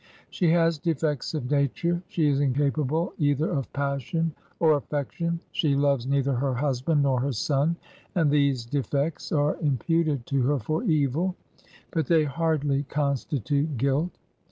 She has defects of nature : she is incapable either of passion or affection ; she loves neither her husband nor her son; and these defects are imputed to her for evil, but they hardly constitute guilt.